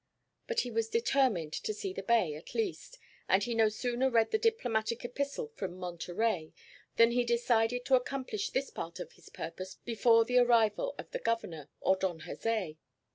But he was determined to see the bay, at least, and he no sooner read the diplomatic epistle from Monterey than he decided to accomplish this part of his purpose before the arrival of the Governor or Don Jose.